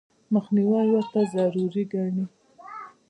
مخنیوي ورته ضروري ګڼي.